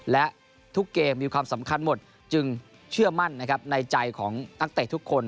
และทุกเกมมีความสำคัญหมดจึงเชื่อมั่นนะครับในใจของนักเตะทุกคน